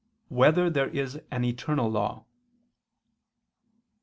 1] Whether There Is an Eternal Law?